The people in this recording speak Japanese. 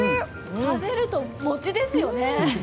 食べると餅ですよね。